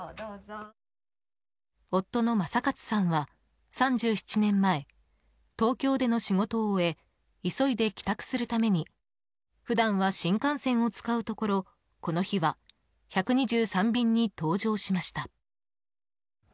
夫の正勝さんは、３７年前東京での仕事を終え急いで帰宅するために普段は新幹線を使うところこの日は１２３便に搭乗しました。